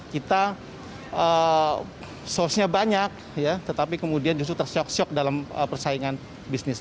kita source nya banyak ya tetapi kemudian justru tersyok syok dalam persaingan bisnis